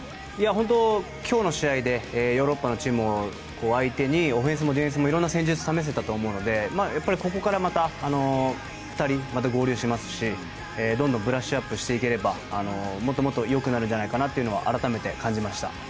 今日の試合でヨーロッパのチームを相手にオフェンスもディフェンスもいろんな戦術を試せたと思うのでここから２人合流しますしどんどんブラッシュアップしていければもっともっと良くなるんじゃないかというのは改めて感じました。